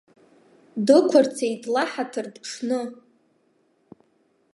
Дықәырцеит лаҳаҭыр ԥҽны!